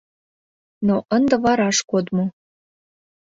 Но ынде вараш кодмо.